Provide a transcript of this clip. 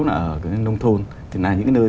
là ở cái nông thôn thì là những nơi